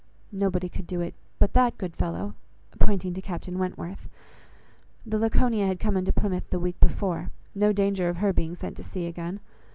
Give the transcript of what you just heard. Nobody could do it, but that good fellow" (pointing to Captain Wentworth.) "The Laconia had come into Plymouth the week before; no danger of her being sent to sea again.